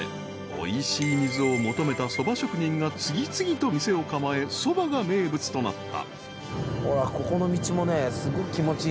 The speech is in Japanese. ［おいしい水を求めたそば職人が次々と店を構えそばが名物となった］